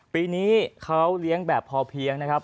ปีนี้เขาเลี้ยงแบบพอเพียงนะครับ